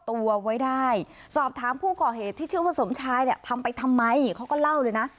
ตัวไว้ได้สอบถามผู้ก่อเหตุที่ชื่อว่าสมชายเนี่ยทำไปทำไมเขาก็เล่าเลยนะ